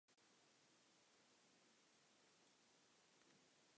Appointments to the Committee are made by the Headmistress.